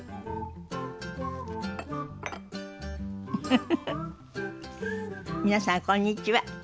フフフフ皆さんこんにちは。